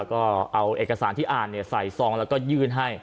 ก็เอาเอกสารที่อ่านใส่ซองแล้วก็ยื่นให้